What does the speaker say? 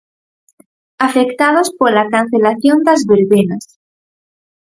Afectados pola cancelación das verbenas.